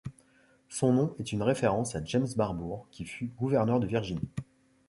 Son nom est une référence à James Barbour, qui fut gouverneur de Virginie.